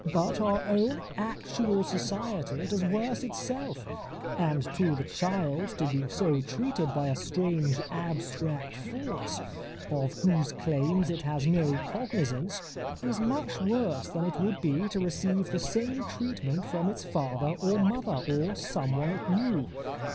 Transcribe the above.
But our own actual society does worse itself, and to the child to be so treated by a strange abstract force, of whose claims it has no cognizance, is much worse than it would be to receive the same treatment from its father or mother, or someone it knew.